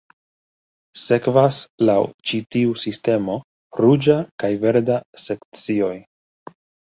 Sekvas laŭ ĉi tiu sistemo ruĝa kaj verda sekcioj.